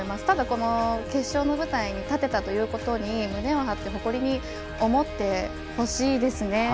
ただ、決勝の舞台に立てたということを胸を張って誇りに思ってほしいですね。